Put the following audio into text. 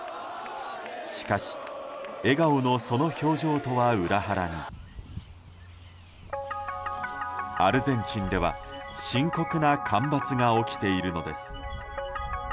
しかし笑顔のその表情とは裏腹にアルゼンチンでは深刻な干ばつが起きているのです。